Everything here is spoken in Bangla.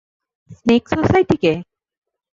স্নেক সোসাইটিকে?